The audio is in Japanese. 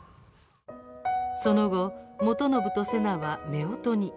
その後、元信と瀬名は夫婦に。